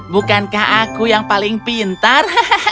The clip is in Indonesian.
bukankah aku yang paling pintar